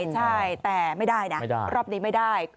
ใช่แต่ไม่ได้นะรอบนี้ไม่ได้